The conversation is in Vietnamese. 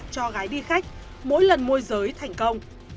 cho gái đi khách mỗi lần môi giới thành công